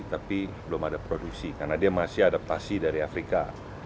tapi belum ada produksi karena dia masih adaptasi dari afrika